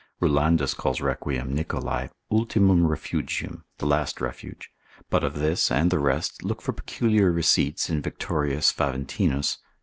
Rulandus calls Requiem Nicholai ultimum refugium, the last refuge; but of this and the rest look for peculiar receipts in Victorius Faventinus, cap.